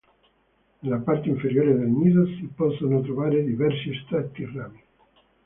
Nella parte inferiore del nido si possono trovare diversi strati rami.